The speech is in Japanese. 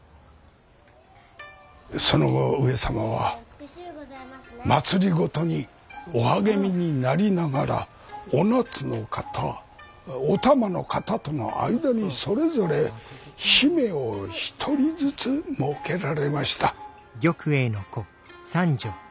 その後上様は政にお励みになりながらお夏の方お玉の方との間にそれぞれ姫を１人ずつもうけられました。